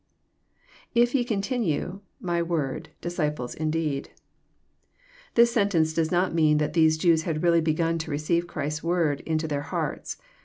llf ye continue,., my word.,. disciples indeed.^ This sentence does not mean that these Jews had really begun to receive Christ's word into their hearts.